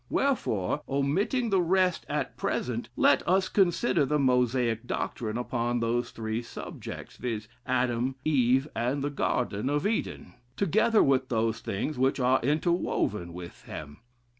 Wherefore, omitting the rest at present, let us consider the Mosaic doctrine upon those three subjects, viz., Adam, Eve, and the Garden of Eden, together with those things which are interwoven within them.